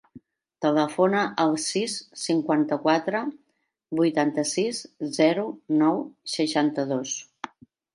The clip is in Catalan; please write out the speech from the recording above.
Telefona al sis, cinquanta-quatre, vuitanta-sis, zero, nou, seixanta-dos.